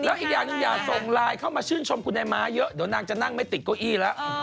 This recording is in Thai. แล้วอีกอย่างหนึ่งอย่าส่งไลน์เข้ามาชื่นชมคุณนายม้าเยอะเดี๋ยวนางจะนั่งไม่ติดเก้าอี้แล้ว